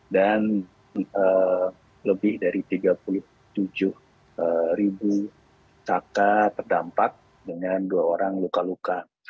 dan lebih dari tiga puluh tujuh sakat terdampak dengan dua orang luka luka